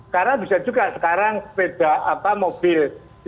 karena bisa juga sekarang sepeda mobil seribu lima ratus